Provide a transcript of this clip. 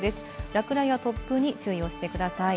落雷や突風に注意をしてください。